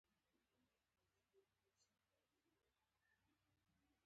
ډېر کسان د هغه په مرسته د پیسو څښتنان شول